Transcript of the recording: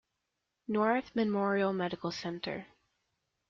North Memorial Medical Center.